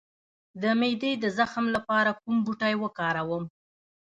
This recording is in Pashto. د معدې د زخم لپاره کوم بوټی وکاروم؟